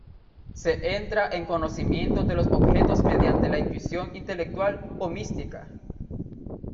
Se entra en conocimiento de los objetos mediante la intuición intelectual o mística.